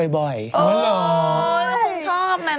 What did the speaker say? เออเหรอแล้วผมชอบน่ะนะ